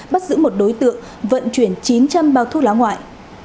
bắt giữ một đối tượng vận chuyển chín trăm linh bao thuốc lá ngoại